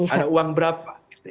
ada uang berapa